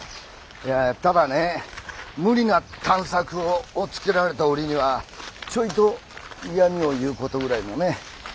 いやただね無理な探索をおっつけられた折にはちょいと嫌みを言う事ぐらいはね。